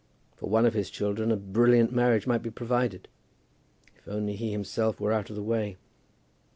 For one of his children a brilliant marriage might be provided, if only he himself were out of the way.